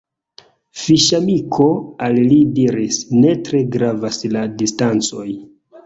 Fiŝamiko al li diris "Ne tre gravas la distancoj.